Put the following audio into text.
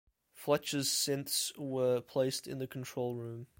Fletcher's synths were placed in the control room.